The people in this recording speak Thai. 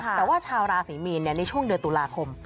แต่ว่าชาวราศรีมีนในช่วงเดือนตุลาคม